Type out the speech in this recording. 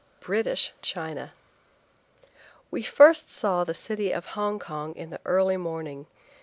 BRITISH CHINA. WE first saw the city of Hong Kong in the early morning.